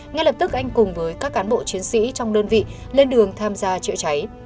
ngay lập tức anh cùng với các cán bộ chiến sĩ trong đơn vị lên đường tham gia chữa cháy